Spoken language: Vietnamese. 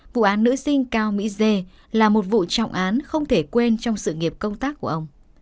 vụ án nữ sinh cao mỹ dê là một vụ trọng án không thể quên trong sự nghiệp công tác của ông